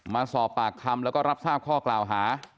มาสอบปากคำแล้วก็รับทราบข้อกล่าวหา